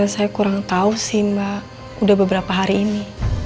saya kurang tahu sih mbak udah beberapa hari ini